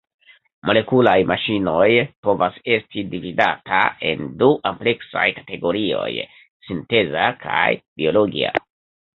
Molekulaj maŝinoj povas esti dividata en du ampleksaj kategorioj; sinteza kaj biologia.